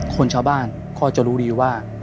คนชาวบ้านก็จะรู้ดีว่า